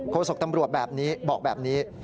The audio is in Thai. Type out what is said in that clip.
โศกตำรวจแบบนี้บอกแบบนี้